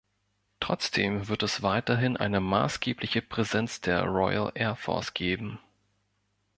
Trotzdem wird es weiterhin eine maßgebliche Präsenz der Royal Air Force geben.